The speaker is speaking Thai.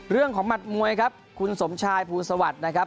หมัดมวยครับคุณสมชายภูลสวัสดิ์นะครับ